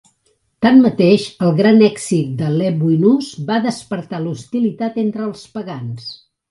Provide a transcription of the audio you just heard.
Tanmateix, el gran èxit de Lebuinus va despertar l'hostilitat entre els pagans.